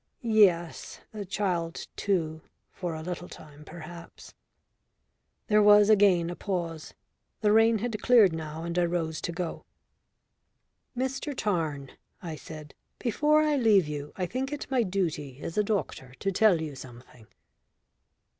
"Yes, the child too. For a little time perhaps." There was again a pause. The rain had cleared now and I rose to go. "Mr Tarn," I said, "before I leave you I think it my duty as a doctor to tell you something."